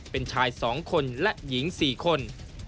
เป็นชาย๒คนและหญิง๔คน